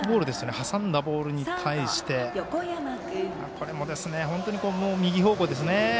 挟んだボールに対してこれも本当に右方向ですね。